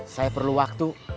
saya perlu waktu